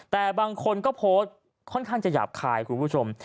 แต่บางคนก็โพสต์ค่อนข้างจะหยาบคายคุณผู้ชม